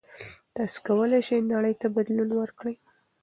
تاسو کولای شئ نړۍ ته بدلون ورکړئ.